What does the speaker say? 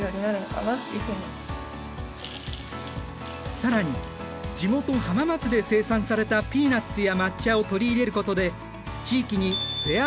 更に地元浜松で生産されたピーナッツや抹茶を取り入れることで地域にフェア